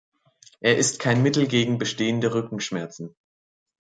Er ist kein Mittel gegen bestehende Rückenschmerzen.